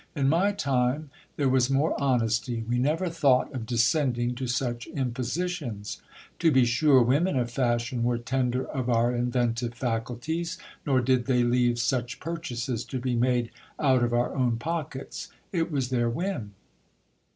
In my time there was more honesty, we never thought of descending to such impositions. To be sure, women of fashion were tender of our inventive faculties, nor did they leave such purchases to be made out of our own pockets ; it was their whim.